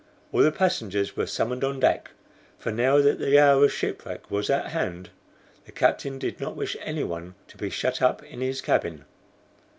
All the passengers were summoned on deck, for now that the hour of shipwreck was at hand, the captain did not wish anyone to be shut up in his cabin.